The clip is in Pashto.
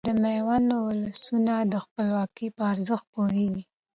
د ميوند ولسونه د خپلواکۍ په ارزښت پوهيږي .